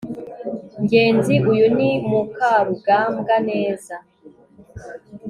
ngenzi, uyu ni mukarugambwa neza